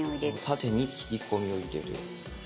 縦に切り込みを入れる。